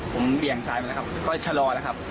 ผมเบี่ยงซ้ายมาแล้วครับก็ชะลอแล้วครับ